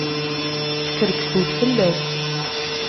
Skerksent fell-ak.